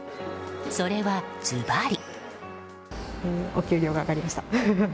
それはずばり。